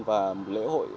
và lễ hội